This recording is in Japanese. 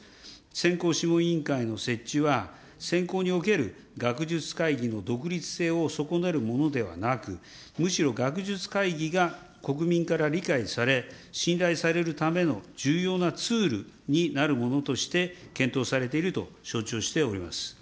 選考諮問委員会の設置は、選考における学術会議の独立性を損ねるものではなく、むしろ学術会議が国民から理解され、信頼されるための重要なツールになるものとして、検討されていると承知をしております。